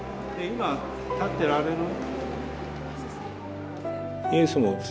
今立ってられる？